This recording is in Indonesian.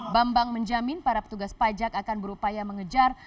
bambang menjamin para petugas pajak akan berupaya mengejar